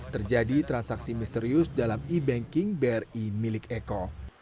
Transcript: terjadi transaksi misterius dalam e banking bri milik eko